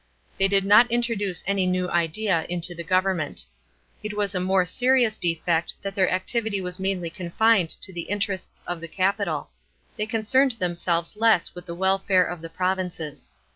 They did not introduce any new idea into the government. It was a more serious defect that their activity was mainly confined to the interests of the capital. They concerned themselves less with the welfare of the provinces.